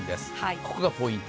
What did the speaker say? ここがポイント。